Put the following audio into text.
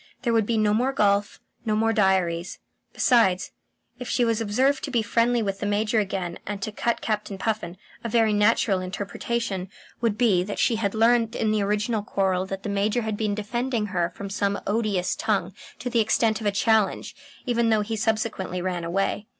There would be no more golf, no more diaries. Besides, if she was observed to be friendly with the Major again and to cut Captain Puffin, a very natural interpretation would be that she had learned that in the original quarrel the Major had been defending her from some odious tongue to the extent of a challenge, even though he subsequently ran away.